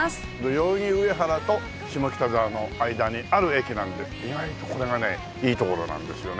代々木上原と下北沢の間にある駅なんで意外とこれがねいい所なんですよね。